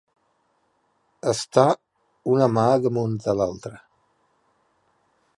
Estar una mà damunt l'altra.